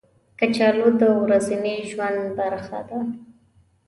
کچالو د ورځني ژوند برخه ده